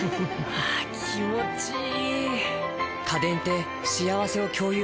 あ気持ちいい！